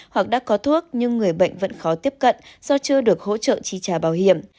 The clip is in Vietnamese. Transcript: hoặc đã có thuốc nhưng người bệnh vẫn khó tiếp cận do chưa được hỗ trợ chi trả bảo hiểm